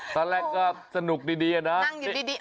ตอนแรกก็สนุกดีนะนั่งอยู่ดี